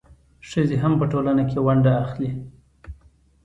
ښځې هم په ټولنه کې ونډه اخلي.